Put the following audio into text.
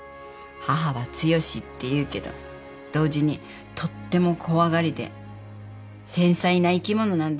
母は強しっていうけど同時にとっても怖がりで繊細な生き物なんだよ。